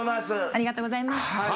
「ありがとうございます」